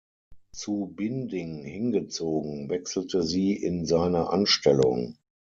Zu Binding hingezogen, wechselte sie in seine Anstellung.